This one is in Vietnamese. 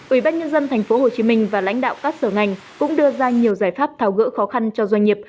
ubnd thành phố hồ chí minh và lãnh đạo các sở ngành cũng đưa ra nhiều giải pháp thảo gỡ khó khăn cho doanh nghiệp